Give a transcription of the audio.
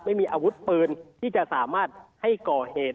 ไม่มีอาวุธปืนที่จะสามารถให้ก่อเหตุ